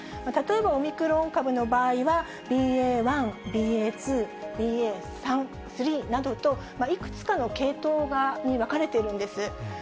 例えばオミクロン株の場合は、ＢＡ．１、ＢＡ．２、ＢＡ．３などと、いくつかの系統に分かれているんです。